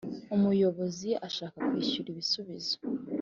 umuyobozi ashaka kwishyura ibisubizo;